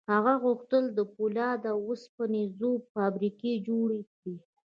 هغه غوښتل د پولادو او اوسپنې ذوب فابریکې جوړې کړي